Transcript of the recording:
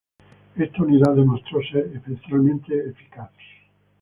Esta unidad demostró ser especialmente eficaz.